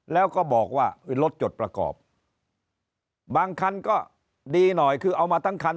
แล้วก็บอกว่ารถจดประกอบบางคันก็ดีหน่อยคือเอามาทั้งคัน